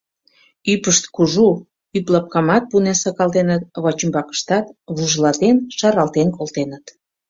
Ӱпышт кужу: ӱплапкамат пунен сакалтеныт, вачӱмбакыштат вужлатен-шаралтен колтеныт.